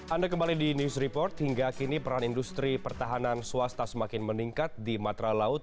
anda kembali di news report hingga kini peran industri pertahanan swasta semakin meningkat di matra laut